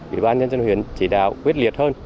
ủy ban nhân dân huyện chỉ đạo quyết liệt hơn